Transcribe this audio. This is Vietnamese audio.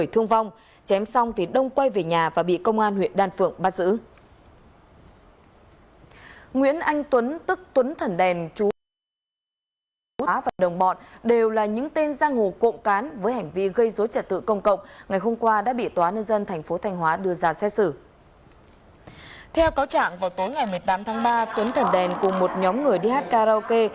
hôm tối ngày một mươi tám tháng ba tuấn thần đèn cùng một nhóm người đi hát karaoke